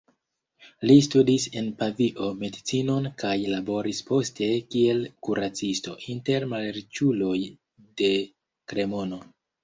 Li studis en Pavio medicinon kaj laboris poste kiel kuracisto inter malriĉuloj de Kremono.